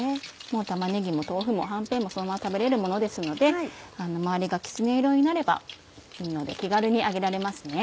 もう玉ねぎも豆腐もはんぺんもそのまま食べれるものですので周りがきつね色になればいいので気軽に揚げられますね。